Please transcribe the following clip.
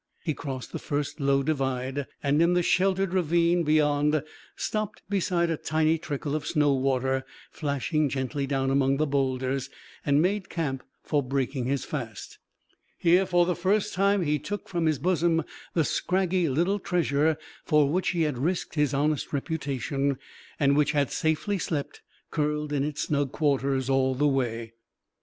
He crossed the first low divide, and in the sheltered ravine beyond stopped beside a tiny trickle of snow water, flashing gently down among the boulders, and made camp for breaking his fast. Here for the first time he took from his bosom the scraggy little treasure for which he had risked his honest reputation, and which had safely slept, curled in its snug quarters, all the way.